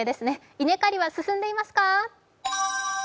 稲刈りは進んでいますか？